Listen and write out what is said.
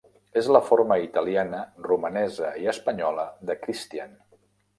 És la forma italiana, romanesa i espanyola de Christian.